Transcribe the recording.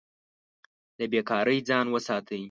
له بې کارۍ ځان وساتئ.